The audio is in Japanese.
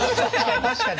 確かに！